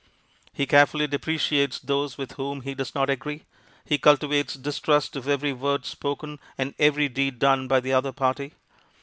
He carefully depreciates those with whom he does not agree. He cultivates distrust of every word spoken and every deed done by the other party.